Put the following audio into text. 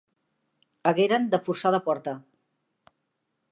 Hagueren de forçar la porta.